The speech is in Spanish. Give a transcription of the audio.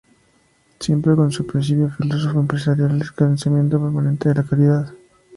Siempre con su principio filosófico empresarial de "El escalonamiento permanente de la calidad".